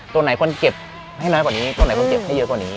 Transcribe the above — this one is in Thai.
ตัวไหนคนเก็บให้น้อยกว่านี้ตัวไหนคนเจ็บให้เยอะกว่านี้